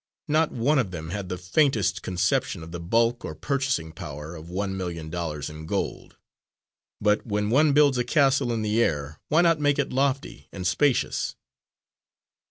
Not one of them had the faintest conception of the bulk or purchasing power of one million dollars in gold; but when one builds a castle in the air, why not make it lofty and spacious?